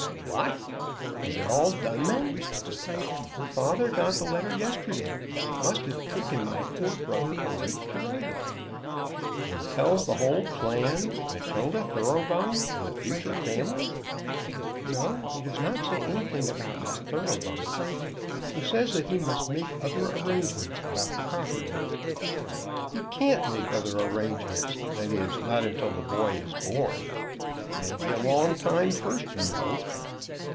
"What! is it all done, then?" "Your father got the letter yesterday. It must have taken my poor brother a week to write it." "And he tells the whole plan, Matilda Thoroughbung, and the future family?" "No, he does not say anything about Miss Thoroughbung He says that he must make other arrangements about the property." "He can't make other arrangements; that is, not until the boy is born. It may be a long time first, you know."